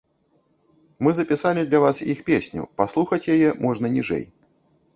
Мы запісалі для вас іх песню, паслухаць яе можна ніжэй.